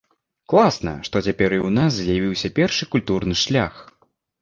Класна, што цяпер і ў нас з'явіўся першы культурны шлях.